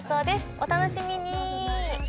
お楽しみに！